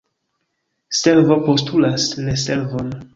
Servo postulas reservon.